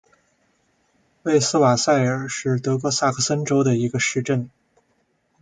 魏斯瓦塞尔是德国萨克森州的一个市镇。